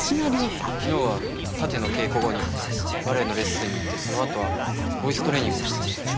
昨日は殺陣の稽古後にバレエのレッスンに行ってそのあとはボイストレーニングをしてました。